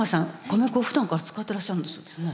米粉ふだんから使ってらっしゃるんだそうですね。